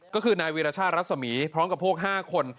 ก็คือนายวีรชาติรัศมีพร้อมกับพวก๕คน